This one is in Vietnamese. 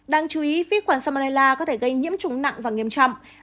đáng chú ý vi khuẩn salmonella có thể gây nhiễm trùng nặng và nghiêm trọng